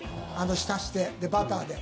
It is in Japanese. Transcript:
ひたして、バターで。